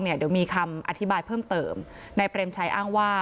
เดี๋ยวมีคำอธิบายเพิ่มเติมนายเปรมชัยอ้างว่า